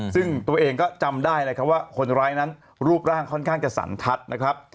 ซึ่งตัวเองก็จำได้นะครับว่าคนร้ายนั้นรูปร่างค่อนข้างจะสันทัศน์นะครับ